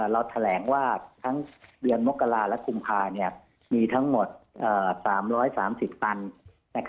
เราแถลงว่าทั้งเดือนมกราและกุมภามีทั้งหมด๓๓๐ตัน